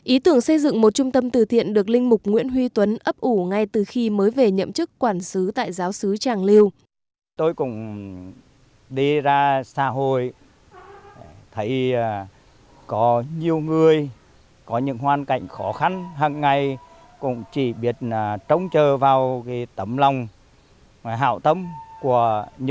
ý tưởng xây dựng một trung tâm từ tiện được linh mục nguyễn huy tuấn ấp ủ ngay từ khi mới về nhậm chức quản xứ tại giáo sứ tràng liêu